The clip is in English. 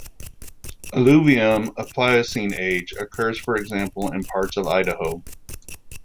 Alluvium of Pliocene age occurs, for example, in parts of Idaho.